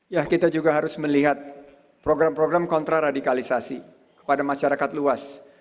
ya kita juga harus melihat program program kontraradikalisasi kepada masyarakat luas